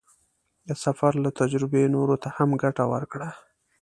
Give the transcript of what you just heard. د سفر له تجربې نورو ته هم ګټه ورکړه.